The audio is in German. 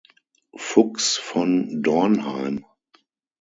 Fuchs von Dornheim.